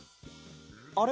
あれ？